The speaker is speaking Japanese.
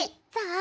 あ！